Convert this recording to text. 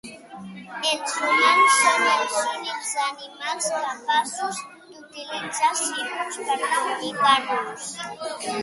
Els humans som els únics animals capaços d'utilitzar símbols per comunicar-nos.